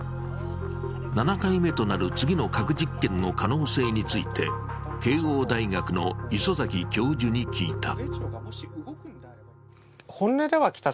７回目となる次の核実験の可能性について、慶応大学の礒崎教授に聞いた。